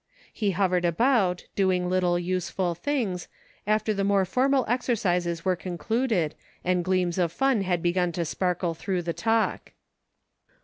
He hovered about, doing little useful things, after the more formal exercises were concluded and gleams of fun had begun to sparkle through the talk.